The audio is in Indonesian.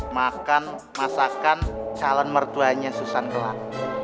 makan masakan calon mertuanya susan kelak